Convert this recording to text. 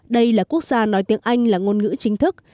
đây là quốc gia nói tiếng anh là ngôn ngữ chính thức